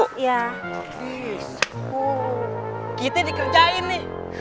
berhenti bu kita dikerjain nih